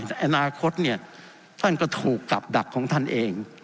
แต่อนาคตเนี่ยท่านก็ถูกกับดักของท่านเอง